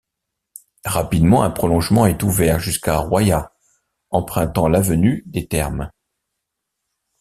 Rapidement un prolongement est ouvert jusqu'à Royat empruntant l'avenue des Thermes.